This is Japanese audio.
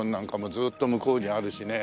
ずっと向こうにあるしね。